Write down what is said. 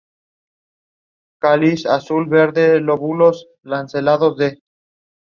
The fruit is small to medium in size and oblate to round in shape.